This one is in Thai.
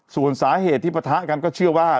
ส่วนสาเหตุที่ปะทะกันก็เชื่อว่า